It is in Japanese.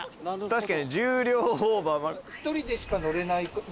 ・確かに重量オーバー。